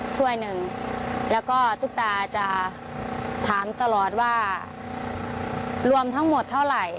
ถ้วยหนึ่งแล้วก็ตุ๊กตาจะถามตลอดว่ารวมทั้งหมดเท่าไหร่